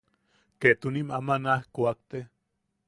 Ketunim ama naaj kuakte.